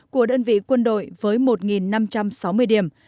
của đơn vị quân đội với một năm trăm sáu mươi điểm